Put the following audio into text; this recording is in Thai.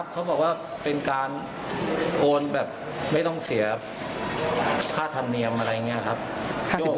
เขาบอกว่าเป็นการโอนแบบไม่ต้องเสียค่าธรรมเนียมอะไรอย่างนี้ครับ